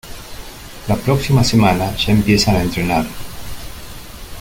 La próxima semana ya empiezan a entrenar.